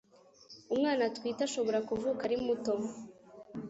umwana atwite ashobora kuvuka ari muto